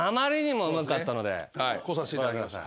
こうさせていただきました。